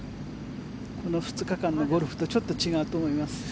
この２日間のゴルフとちょっと違うと思います。